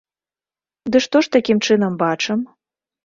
Дык што ж, такім чынам, бачым?